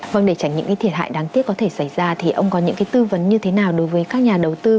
vâng để tránh những thiệt hại đáng tiếc có thể xảy ra thì ông có những cái tư vấn như thế nào đối với các nhà đầu tư